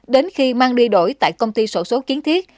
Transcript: đến khi mang đi đổi tại công ty sổ số kiến thiết